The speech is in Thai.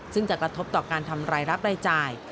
ซึ่งจะกระทบต่อการทำรายรับรายจ่าย